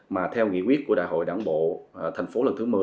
mà theo nghị quyết của đại hội đảng bộ thành phố lần thứ một mươi